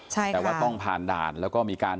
แต่ว่าต้องผ่านด่านแล้วก็มีการ